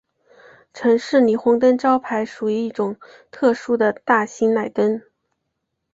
城市霓虹灯招牌属于一种特殊的大型氖灯。